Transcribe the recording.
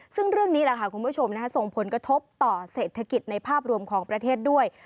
ซึ่งเรื่องนี้แหละค่ะคุณผู้ชมส่งผลกระทบต่อเศรษฐกิจในภาพรวมของประเทศด้วย